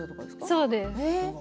そうです。